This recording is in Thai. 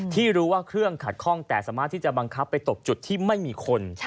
ที่รู้ว่าเครื่องขัดข้องแต่สามารถที่จะบังคับไปตกจุดที่ไม่มีคน